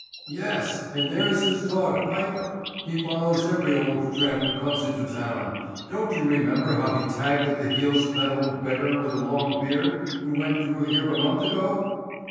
"Yes, and there is his dog, Piper. He follows every old tramp who comes into town. Don't you remember how he tagged at the heels of that old beggar with a long beard, who went through here a month ago?"